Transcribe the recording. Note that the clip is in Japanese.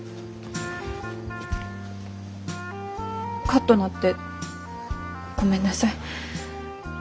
カッとなってごめんなさい。